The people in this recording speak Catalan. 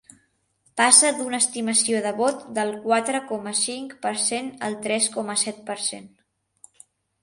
Passa d’una estimació de vot del quatre coma cinc per cent al tres coma set per cent.